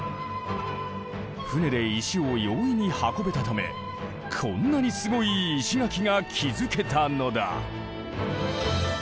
船で石を容易に運べたためこんなにすごい石垣が築けたのだ。